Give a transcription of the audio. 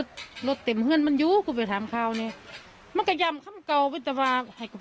กินแถบลูกศิษย์เสียเกี่ยวของพอ